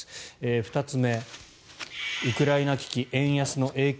２つ目、ウクライナ危機円安の影響。